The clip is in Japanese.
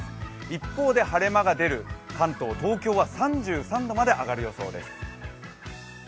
一方で晴れ間が出る関東、東京は３３度まで上がる予想です。